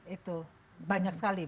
itu banyak sekali